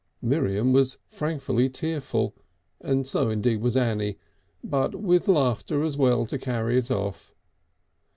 Miriam was frankly tearful, and so indeed was Annie, but with laughter as well to carry it off.